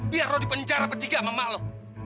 biar lo dipenjara bertiga sama emak lo